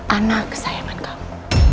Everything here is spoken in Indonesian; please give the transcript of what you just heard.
anak kesayangan kamu